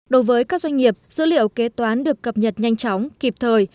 đối với các doanh nghiệp dữ liệu kế toán được cập nhật nhanh chóng kịp thời